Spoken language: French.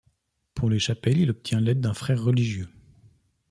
Pour les chapelles il obtient l'aide d'un frère religieux.